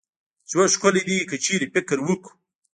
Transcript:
ژوند ښکلې دي که چيري فکر وکړو